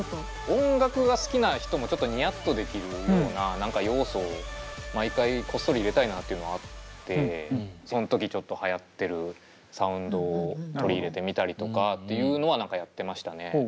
音楽が好きな人もちょっとニヤッとできるような何か要素を毎回こっそり入れたいなっていうのがあってその時ちょっとはやってるサウンドを取り入れてみたりとかっていうのは何かやってましたね。